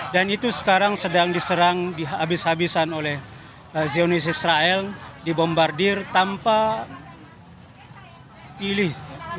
dan itu sekarang sedang diserang dihabis habisan oleh zionis israel dibombardir tanpa pilih